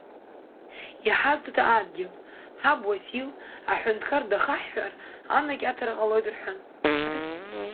Иҳазҭада адгьыл, ҳаб Уасил, аҳәынҭқар дахаҳҳәар анакьаҭара ҟалоит, — рҳәан арахь…